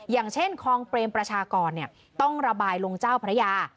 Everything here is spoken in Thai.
อย่างเช่นคลองเปรมประชากรต้องระบายลงเจ้าพระยา